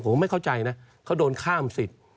ผมไม่เข้าใจนะเขาโดนข้ามสิทธิ์